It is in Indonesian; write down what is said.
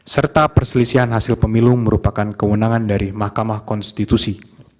serta perselisihan hasil pemilu merupakan kewenangan dari mahkamah konstitusi